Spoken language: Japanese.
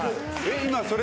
今それ。